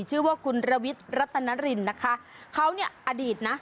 ชื่อว่าคุณระวิทย์รัตนรินนะคะเขาเนี่ยอดีตนะ